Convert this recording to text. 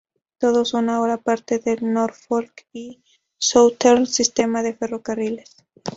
Todos son ahora parte del Norfolk y Southern Sistema de ferrocarriles.